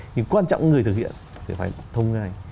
nhưng quan trọng người thực hiện thì phải thông ngay